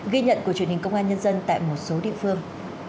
ghi nhận của truyền hình công an nhân dân tại một số địa phương